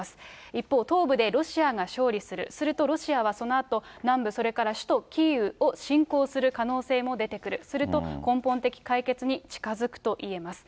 一方、東部でロシアが勝利する、するとロシアはそのあと、南部、それから首都キーウを侵攻する可能性も出てくる、すると根本的解決に近づくといえます。